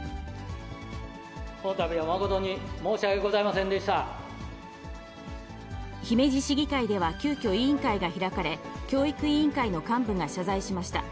このたびは誠に申し訳ござい姫路市議会では、急きょ委員会が開かれ、教育委員会の幹部が謝罪しました。